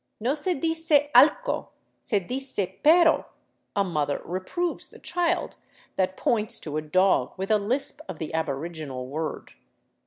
" No se dice allco, se dice perro/' a mother re proves the child that points to a dog with a lisp of the aboriginal word.